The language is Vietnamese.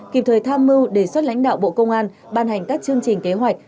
kịp thời tham mưu đề xuất lãnh đạo bộ công an ban hành các chương trình kế hoạch